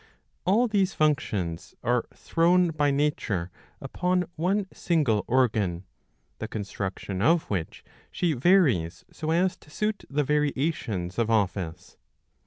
All these functions are thrown by nature upon one single organ, the construction of which she varies so as to suit the variations of office.